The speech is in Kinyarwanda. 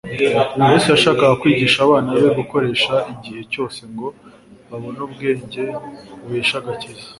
Yesu yashakaga kwigisha abana be gukoresha igihe cyose ngo babone ubwenge buhesha agakiza.